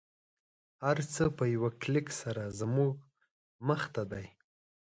هر څه په یوه کلیک سره زموږ مخته دی